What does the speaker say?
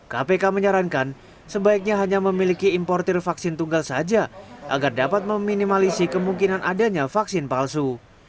kpk menyarankan sebaiknya hanya memiliki importer vaksin tunggal saja agar dapat meminimalisi kemungkinan adanya vaksin palsu